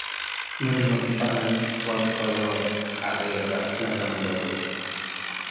ምን ምቅባን ወቆሎ ዐቂቅ ረአስለ ደንበሩ